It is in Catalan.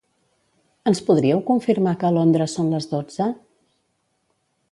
Ens podríeu confirmar que a Londres són les dotze?